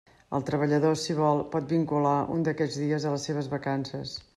El treballador, si vol, pot vincular un d'aquests dies a les seves vacances.